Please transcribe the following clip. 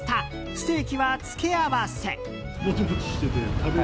ステーキは付け合わせ。